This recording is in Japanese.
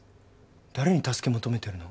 誰に助け求めてるの？